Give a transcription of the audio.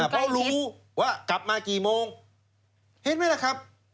เพราะรู้ว่ากลับมากี่โมงเห็นไหมล่ะครับ